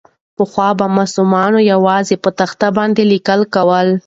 پخوا به ماسومانو یوازې په تخته باندې لیکل کول.